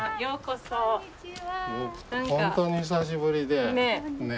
本当に久しぶりで。